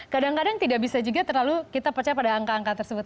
kadang kadang tidak bisa juga terlalu kita percaya pada angka angka tersebut